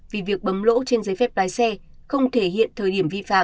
vì việc bấm lỗ trên giấy phép lái xe không thể hiện thời điểm vi phạm